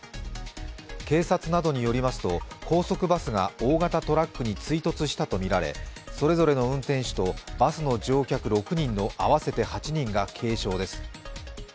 警察などによりますと、高速バスが大型トラックに追突したとみられ、それぞれの運転手とバスの乗客合わせて６人が軽傷です。